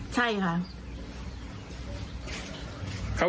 ใช่ค่ะ